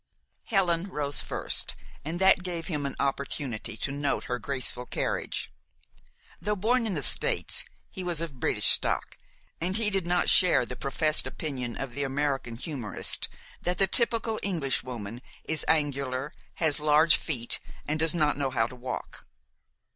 Helen rose first, and that gave him an opportunity to note her graceful carriage. Though born in the States, he was of British stock, and he did not share the professed opinion of the American humorist that the typical Englishwoman is angular, has large feet, and does not know how to walk.